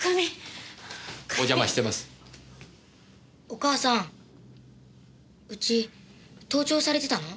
お母さんうち盗聴されてたの？